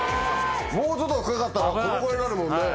もうちょっと深かったらこのぐらいになるもんね。